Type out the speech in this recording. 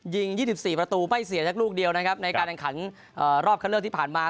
๒๔ประตูไม่เสียจากลูกเดียวนะครับในการแข่งขันรอบคันเลือกที่ผ่านมา